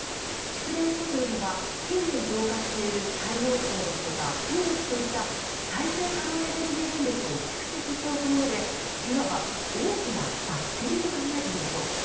蓄電所というのは近年増加している太陽光ですとか風力といった再生可能エネルギー電力を蓄積しておくものでいわば大きなバッテリーと考えていいでしょう。